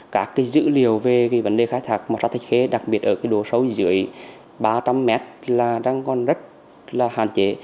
các dữ liệu về vấn đề khai thạc màu sắc thạch khê đặc biệt ở đồ sâu dưới ba trăm linh mét là đang còn rất là hạn chế